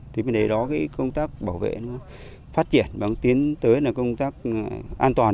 thì bên đấy đó công tác bảo vệ phát triển và tiến tới công tác an toàn